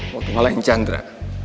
waktu ngalahin chandra